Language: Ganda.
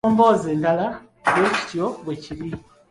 Ne mu mboozi endala bwe kityo bwe kiri